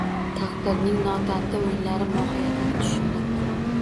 Taqdirning notanti o‘yinlari mohiyatini tushundi.